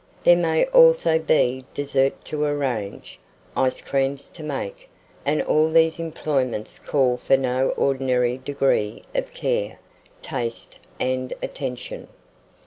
There may also be the dessert to arrange, ice creams to make; and all these employments call for no ordinary degree of care, taste, and attention.